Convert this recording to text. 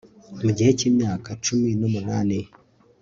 mu gihe cy'imyaka cumi n'umunani